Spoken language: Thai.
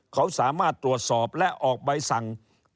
เขาสามารถตรวจสอบและออกใบสั่ง